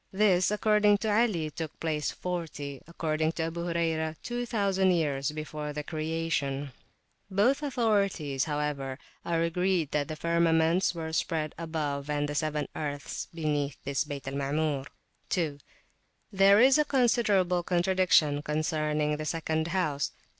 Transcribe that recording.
This, according to Ali, took place 40, according to Abu Hurayrah, 2,000 years before the creation; both authorities, however, are agreed that the firmaments were spread above and the seven earths beneath this Bayt al Maamur. 2. There is considerable contradiction concerning the second house.